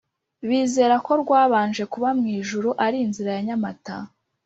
bizera ko rwabanje kuba mu ijuru ari inzira ya nyamata.